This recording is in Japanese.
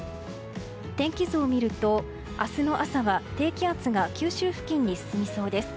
天気図を見ると明日の朝は低気圧が九州付近に進みそうです。